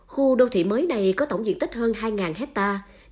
khu đô thị mới này có tổng diện tích hơn hai hectare